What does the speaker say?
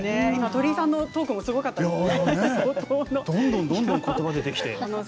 どんどんどんどんことばが出てきて。